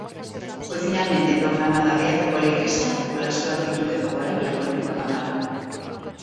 Foi finalmente proclamada beata pola Igrexa pola súa actitude favorábel á política papal.